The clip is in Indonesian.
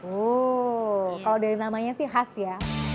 uu kalau dari namanya sih khas ya